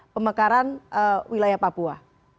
pemekaran wilayah papua